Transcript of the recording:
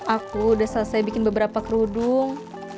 aku udah selesai bikin beberapa kerudung